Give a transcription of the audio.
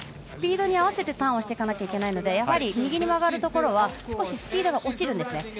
スピードに合わせてターンをしていかなきゃいけないのでやはり、右に曲がるところは少しスピードが落ちるんですね。